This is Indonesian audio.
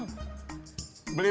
beli bubur apa beli